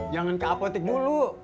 jangan ke apotek dulu